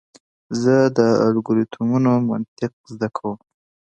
زه د الگوریتمونو منطق زده کوم.